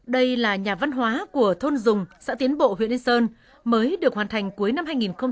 đây là nhà văn hóa của thôn dùng xã tiến bộ huyện yên sơn mới được hoàn thành cuối năm hai nghìn một mươi bảy